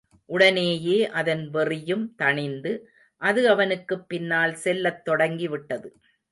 உடனேயே அதன் வெறியும் தணிந்து, அது அவனுக்குப் பின்னால் செல்லத் தொடங்கிவிட்டது.